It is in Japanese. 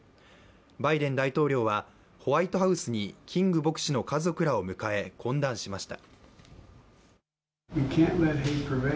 バイデン大統領はホワイトハウスにキング牧師の家族らを迎え懇談しました。